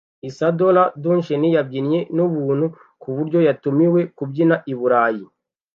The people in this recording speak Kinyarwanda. Isadora Duncan yabyinnye nubuntu kuburyo yatumiwe kubyina i Burayi.